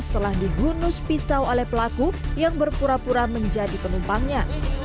setelah digunus pisau oleh pelaku yang berpura pura menjadi penumpangnya